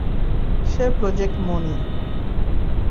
সে project মণি।